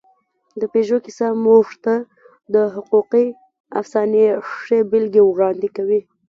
د پيژو کیسه موږ ته د حقوقي افسانې ښې بېلګې وړاندې کوي.